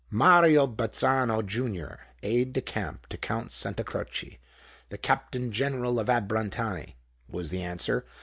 "Mario Bazzano—junior aide de camp to Count Santa Croce, the Captain General of Abrantani," was the answer.